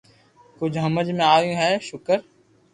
ڪجھ ھمج ۾ آويو ھي ݾڪر